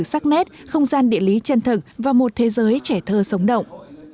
sắc nét không gian địa lý chân thực và một thế giới trẻ thơ sống động